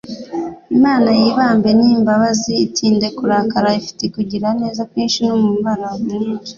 « Imana y'ibambe n'imbabazi itinda kurakara ifite kugira neza kwinshi n'umurava mwinshi ».